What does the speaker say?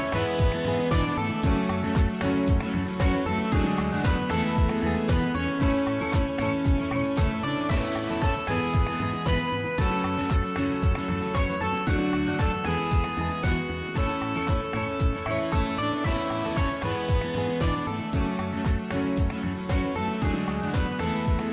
โปรดติดตามตอนต่อไป